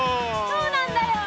そうなんだよ。